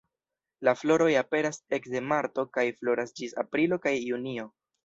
La floroj aperas ekde marto kaj floras ĝis aprilo kaj junio.